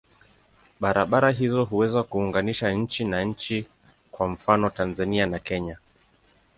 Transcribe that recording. Barabara hizo huweza kuunganisha nchi na nchi, kwa mfano Tanzania na Kenya.